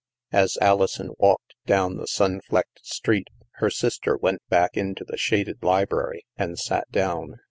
As Alison walked down the sun flecked street, her sister went back into the shaded library and sat down.